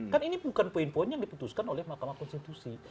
kan ini bukan poin poin yang diputuskan oleh mahkamah konstitusi